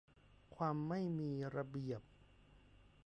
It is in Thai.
ความไม่มีระเบียบ